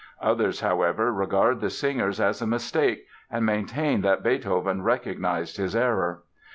Others, however, regard the singers as a mistake and maintain that Beethoven recognized his error.